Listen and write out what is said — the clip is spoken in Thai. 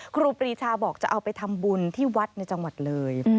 ครูปรีชาบอกจะเอาไปทำบุญที่วัดในจังหวัดเลย